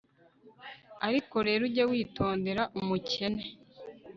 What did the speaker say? ariko rero, ujye witondera umukene